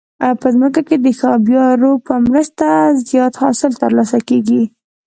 په ځمکه کې د ښه آبيارو په مرسته زیات حاصل ترلاسه کیږي.